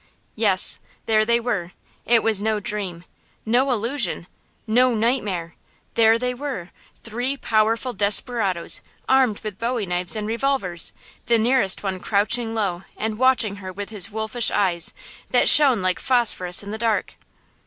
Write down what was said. Yes, there they were! It was no dream, no illusion, no nightmare–there they were, three powerful desperadoes armed with bowie knives and revolvers, the nearest one crouching low and watching her with his wolfish eyes, that shone like phosphorus in the dark.